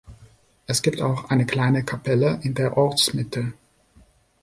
Es gibt auch eine kleine Kapelle in der Ortsmitte.